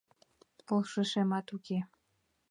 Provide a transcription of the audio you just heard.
Полшышемат уке.